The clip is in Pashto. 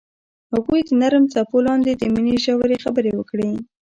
هغوی د نرم څپو لاندې د مینې ژورې خبرې وکړې.